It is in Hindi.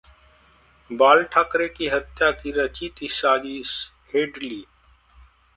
बाल ठाकरे की हत्या की रची थी साजिश: हेडली